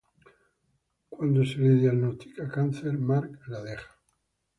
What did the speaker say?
Cuando se le diagnostica cáncer, Mark la deja.